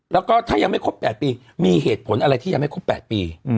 แล้วก็ถ้ายังไม่ครบ๘ปีมีเหตุผลอะไรที่ยังไม่ครบ๘ปี